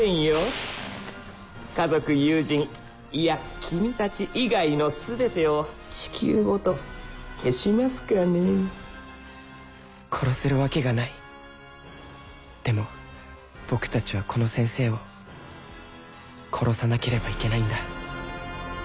家族友人いや君たち以外のすべてを地球ごと消しますかねぇ殺せるわけがないでも僕たちはこの先生を殺さなければいけないんだ